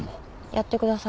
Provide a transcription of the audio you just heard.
やってください。